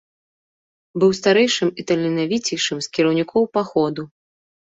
Быў старэйшым і таленавіцейшым з кіраўнікоў паходу.